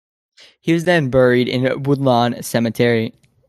He was then buried in Woodlawn Cemetery.